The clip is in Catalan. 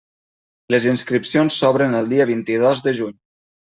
Les inscripcions s'obren el dia vint-i-dos de juny.